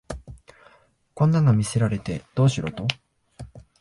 こんなの見せられてどうしろと